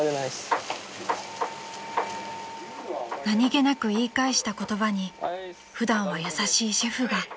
［何げなく言い返した言葉に普段は優しいシェフが］